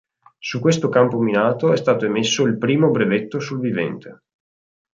Su questo campo minato è stato emesso il primo brevetto sul vivente.